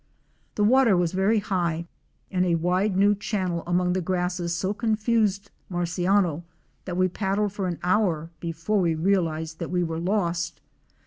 The water was very high and a wide new channel among the grasses so confused Marciano that we paddled for an hour before we realized that we were lost.